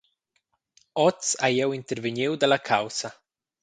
Oz hai jeu intervegniu dalla caussa.